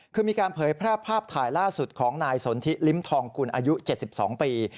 คือมีการเผยแพร่ภาพถ่ายล่าสุดของนายสนทิลิ้มทองกุลอายุ๗๒ปี